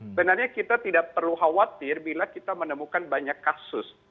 sebenarnya kita tidak perlu khawatir bila kita menemukan banyak kasus